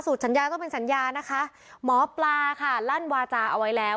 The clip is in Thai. สัญญาก็เป็นสัญญานะคะหมอปลาค่ะลั่นวาจาเอาไว้แล้ว